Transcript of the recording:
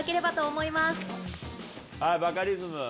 はいバカリズム。